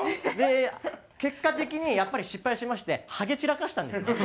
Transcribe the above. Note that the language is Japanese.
で結果的にやっぱり失敗しましてハゲ散らかしたんですね。